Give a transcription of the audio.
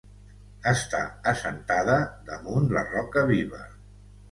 Està assentada damunt la roca viva.